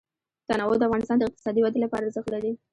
تنوع د افغانستان د اقتصادي ودې لپاره ارزښت لري.